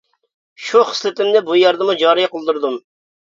شۇ خىسلىتىمنى بۇ يەردىمۇ جارى قىلدۇردۇم.